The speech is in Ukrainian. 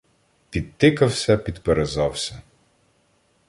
Підтикався, підперезався